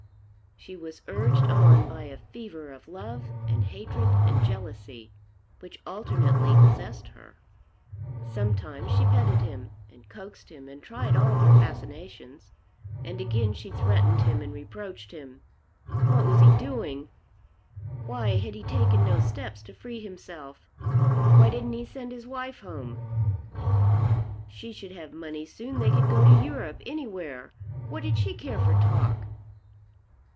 She was urged on by a fever of love and hatred and jealousy, which alternately possessed her. Sometimes she petted him, and coaxed him and tried all her fascinations. And again she threatened him and reproached him. What was he doing? Why had he taken no steps to free himself? Why didn't he send his wife home? She should have money soon. They could go to Europe anywhere. What did she care for talk?